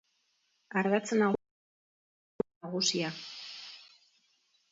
Ardatz nagusian dago sarrera nagusia.